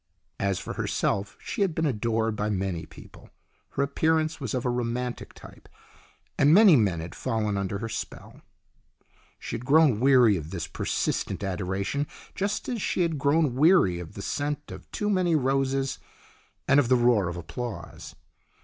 As for herself, she had been adored by many people. Her appearance was of a romantic type, and many men had fallen under her spell. She had grown weary of this persistent adoration, just as she had grown weary of the scent of too many roses and of the roar of applause.